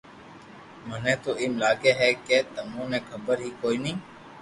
مني تو ايمم لاگي ھي ڪي تمو ني خبر ھي ڪوئي نو